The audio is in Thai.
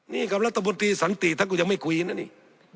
นี่กับรัฐบนตรีสันติถ้ากูยังไม่คุยนะนี่